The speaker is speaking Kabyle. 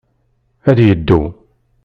Ad yeddu.